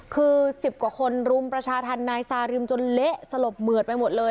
คือ๑๐กว่าคนรุมประชาธรรมนายซาริมจนเละสลบเหมือดไปหมดเลย